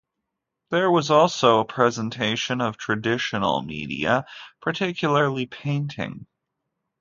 There was also a presentation of "traditional" media, particularly painting.